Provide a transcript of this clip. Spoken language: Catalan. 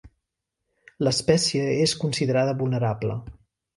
L'espècie és considerada vulnerable.